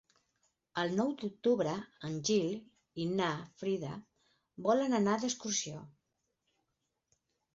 El nou d'octubre en Gil i na Frida volen anar d'excursió.